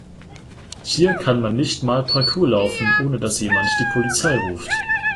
Hier kann man nicht mal Parkour laufen, ohne dass jemand die Polizei ruft.